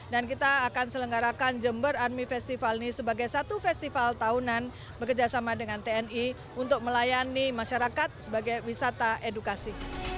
dan kita akan selenggarakan jember army festival ini sebagai satu festival tahunan bekerjasama dengan tni untuk melayani masyarakat sebagai wisata edukasi